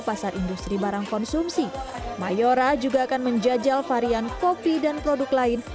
ketika kita sudah berpikir bahwa kita akan menjajal varian kopi dan produk lain